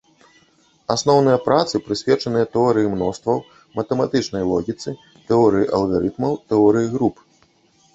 Асноўныя працы прысвечаныя тэорыі мностваў, матэматычнай логіцы, тэорыі алгарытмаў, тэорыі груп.